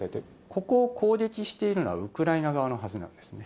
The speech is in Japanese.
ここを攻撃しているのはウクライナ側のはずなんですね。